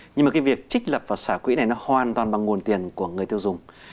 nhưng mà việc trích lập và xả quỹ này hoàn toàn bằng nguồn tiền của người tiêu dùng